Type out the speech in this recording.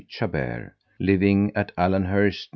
Chabert living at Allenhurst, N.